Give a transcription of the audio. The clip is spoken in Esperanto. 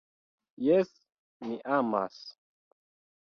Jes, mi amas.